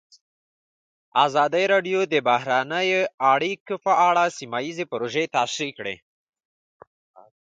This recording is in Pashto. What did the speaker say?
ازادي راډیو د بهرنۍ اړیکې په اړه سیمه ییزې پروژې تشریح کړې.